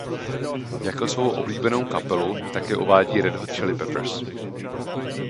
Jako svou oblíbenou kapelu také uvádí Red Hot Chili Peppers.